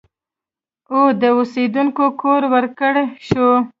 او د اوسېدو کور ورکړی شو